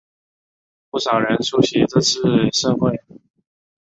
不少人出席这次盛会。